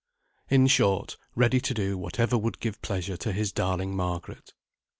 In short, ready to do whatever would give pleasure to his darling Margaret.